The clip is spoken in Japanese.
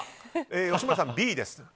吉村さん、Ｂです。